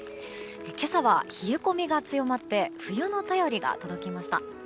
今朝は冷え込みが強まって冬の便りが届きました。